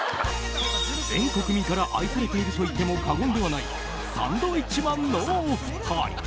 全国民から愛されていると言っても過言ではないサンドウィッチマンのお二人。